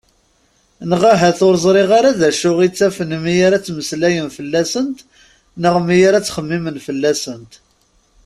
Neɣ ahat ur ẓriɣ ara d acu i ttafen mi ara ttmeslayen fell-asent neɣ mi ara ttxemmimen fell-asent.